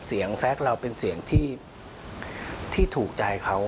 เสียงแซ็กเราเป็นเสียงที่ถูกใจเขา